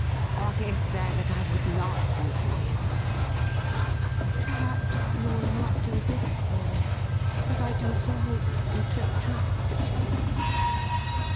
' What is there that I would not do for you ?'' Perhaps you will not do this for me, but I do so hope and so trust that you will.'